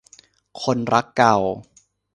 คนรักเก่า